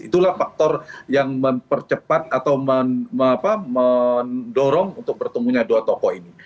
itulah faktor yang mempercepat atau mendorong untuk bertemunya dua tokoh ini